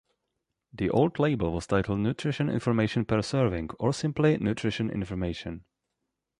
The old label was titled "Nutrition Information Per Serving" or simply, "Nutrition Information".